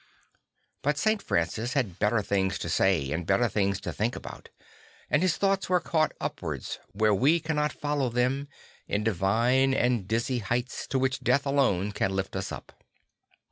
But St. Francis had better things to say and better things to think about, and his thoughts were caught upwards where we cannot follow them, in divine and dizzy heights to which death alone can lift us up.